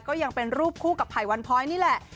ก็ยังเป็นรูปคู่กับไผ่วันพ้อยนี่แหละ